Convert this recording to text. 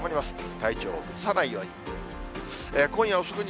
体調を崩さないように。